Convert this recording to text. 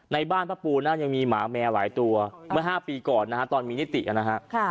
ในบ้านพระปูนั้นยังมีหมาแมวหลายตัวเมื่อ๕ปีก่อนนะฮะตอนมีนิตินะฮะ